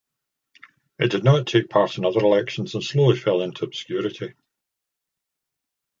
It did not take part in other elections and slowly fell into obscurity.